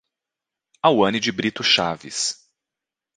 Auane de Brito Chaves